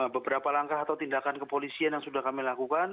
beberapa langkah atau tindakan kepolisian yang sudah kami lakukan